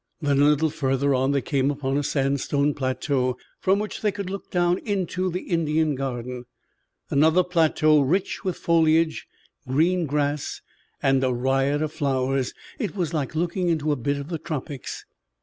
Then a little further on they came upon a sandstone plateau from which they could look down into the Indian Garden, another plateau rich with foliage, green grass and a riot of flowers. It was like looking into a bit of the tropics.